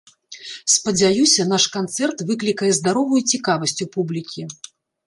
Спадзяюся, наш канцэрт выклікае здаровую цікавасць у публікі.